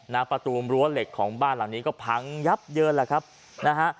ประตูรั้วเหล็กของบ้านหลังนี้ก็พังยับเยินแหละครับนะฮะ